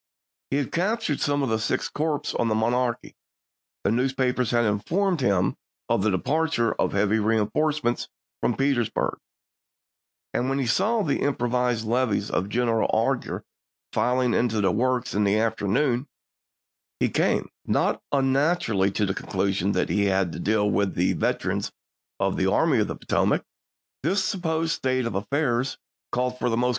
He had captured some of the Sixth Corps at the Monocacy; the newspapers had informed him of the departure of heavy reinforcements from Petersburg ; and when he saw the improvised levies of General Augur filing into the works in the afternoon, he came, not unnaturally, to the conclusion that he had to deal with the veterans of the Army of the Potomac. EAELY'S CAMPAIGN AGAINST WASHINGTON 171 This supposed state of affairs called for the most chap.